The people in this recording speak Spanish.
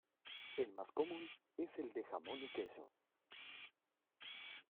El más común es el de jamón y queso.